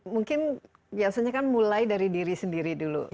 mungkin biasanya kan mulai dari diri sendiri dulu